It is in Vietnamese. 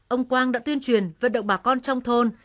ông quang đã tuyên truyền vận động bà con trong thôn